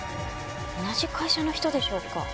同じ会社の人でしょうか？